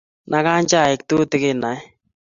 Naga chaik tutikin ae